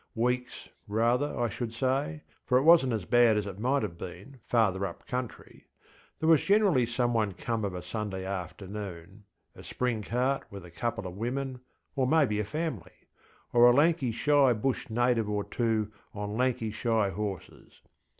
Weeks, rather, I should say, for it wasnŌĆÖt as bad as it might have been farther up country: there was generally some one came of a Sunday afternoon ŌĆöa spring cart with a couple of women, or maybe a family, ŌĆöor a lanky shy Bush native or two on lanky shy horses.